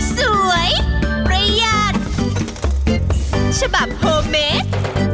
สวยประหยัดฉบับโฮเมส